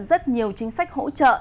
rất nhiều chính sách hỗ trợ